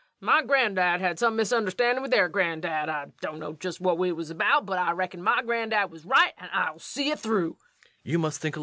My granddad had some misunderstandin' with their granddad. I don't know jes what it wuz about, but I reckon my granddad wuz right, and I'll see it through.